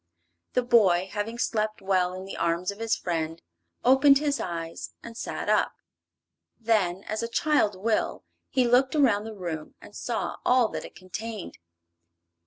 The boy, having slept well in the arms of his friend, opened his eyes and sat up. Then, as a child will, he looked around the room and saw all that it contained.